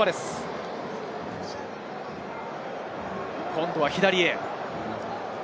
今度は左へ。